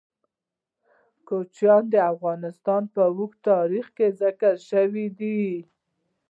کوچیان د افغانستان په اوږده تاریخ کې ذکر شوی دی.